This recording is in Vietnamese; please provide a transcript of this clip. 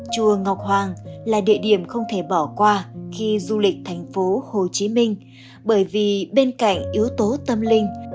chùa ngọc hoàng là địa điểm không thể bỏ qua khi du lịch thành phố hồ chí minh bởi vì bên cạnh yếu tố tâm linh